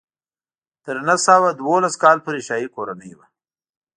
تر نهه سوه دولس کال پورې شاهي کورنۍ وه.